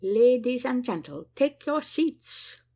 "Ladies and gentle, take your seats."